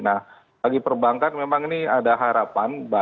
nah bagi perbankan memang ini ada harapan